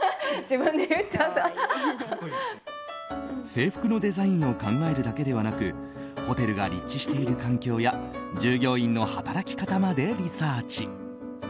制服のデザインを考えるだけではなくホテルが立地している環境や従業員の働き方までリサーチ。